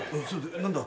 何だ？